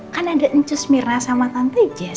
kan ada encus mirna sama tante jess